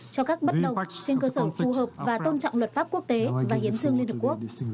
cho các bất đồng trên cơ sở phù hợp và tôn trọng luật pháp quốc tế và hiến trương liên hợp quốc